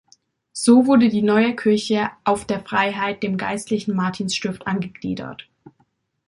So wurde die neue Kirche "auf der Freiheit" dem geistlichen Martinsstift angegliedert.